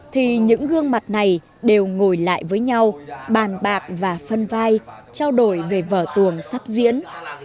thì những gương mặt này đều ngồi lại với nhau bàn bạc và phân vai trao đổi về vở tuồng sắp diễn